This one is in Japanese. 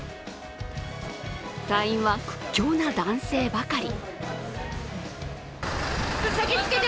隊員は屈強な男性ばかり。